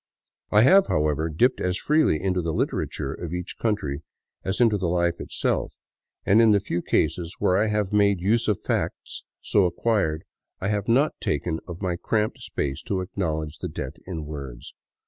I have, however, dipped as freely into the litera ture of each country as into the life itself, and in the few cases where I have made use of facts so acquired, I have not taken of my cramped space to acknowledge the debt in words.